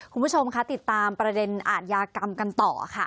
คุณผู้ชมคะติดตามประเด็นอาทยากรรมกันต่อค่ะ